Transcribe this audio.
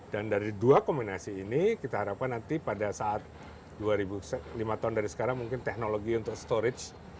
dan dari dua kombinasi ini kita harapkan nanti pada saat dua ribu lima tahun dari sekarang mungkin teknologi untuk storage